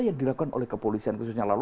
yang dilakukan oleh kepolisian khususnya lalu